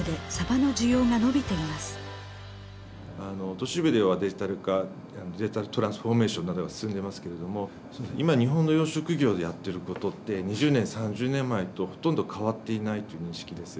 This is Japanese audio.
都市部ではデジタル化デジタルトランスフォーメイションなどが進んでますけれども今日本の養殖漁業でやってることって２０年３０年前とほとんど変わっていないという認識です。